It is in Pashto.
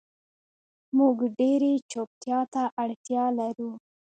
مونږ ډیرې چوپتیا ته اړتیا لرو